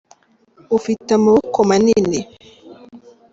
ufite amaboko manini